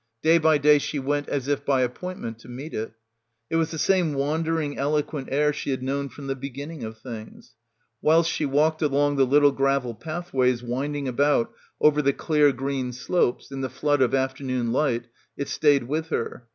Day by day she went as if by appointment to meet it. It was the same wandering eloquent air she had known from the beginning of things. Whilst she walked along the little gravel pathways winding about over the clear green slopes in the flood of afternoon light it stayed with her.